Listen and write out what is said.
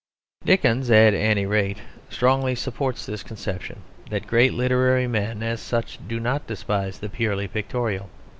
Dickens, at any rate, strongly supports this conception: that great literary men as such do not despise the purely pictorial.